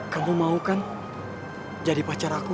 kamu mau kan jadi pacar aku